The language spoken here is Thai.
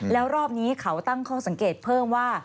แล้วรอบนี้เขาตั้งข้อสังเกตเพิ่มว่า